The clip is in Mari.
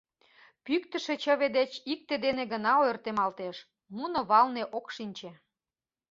Пӱктышӧ чыве деч икте дене гына ойыртемалтеш: муно валне ок шинче.